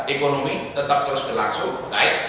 ekonomi tetap terus berlangsung baik